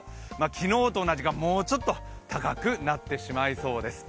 昨日と同じか、もうちょっと高くなってしまいそうです。